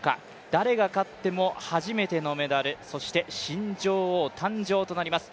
誰が勝っても初めてのメダル、そして新女王誕生となります。